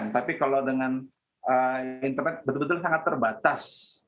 tapi kalau dengan internet betul betul sangat terbatas